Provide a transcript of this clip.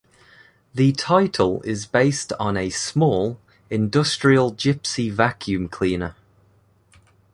The title is based on a small, industrial Gypsy vacuum cleaner.